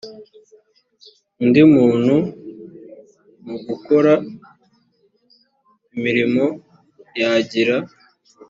undi muntu mu gukora imirimo yagira